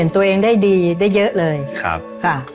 มาเรื่อยเลยค่ะ